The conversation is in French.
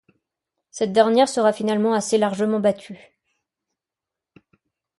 Cette dernière sera finalement assez largement battue.